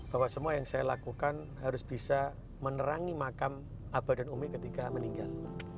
bahwa semua yang saya lakukan harus bisa menerangi makam aba dan ummi ketika meninggal